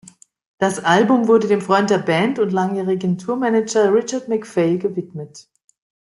Das Album wurde dem Freund der Band und langjährigen Tourmanager Richard Macphail gewidmet.